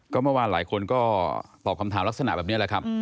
ก็เมื่อวานหลายคนก็ตอบคำถามลักษณะแบบนี้แหละครับ